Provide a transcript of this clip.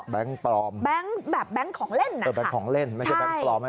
แบงก์ปลอมแบบแบงก์ของเล่นแบบของเล่นไม่ใช่แบงก์ปลอม